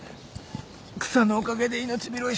草のおかげで命拾いした。